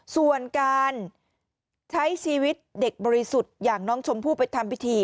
ส่วนการใช้ชีวิตเด็กบริสุทธิ์อย่างน้องชมพู่ไปทำพิธี